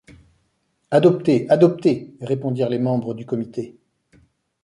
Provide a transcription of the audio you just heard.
Adopté, adopté, répondirent les membres du Comité.